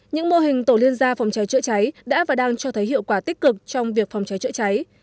những mô hình tổ liên gia phòng cháy chữa cháy đã và đang cho thấy hiệu quả tích cực trong việc phòng cháy chữa cháy